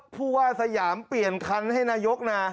ผู้ว่าสยามเปลี่ยนคันให้นายกนะ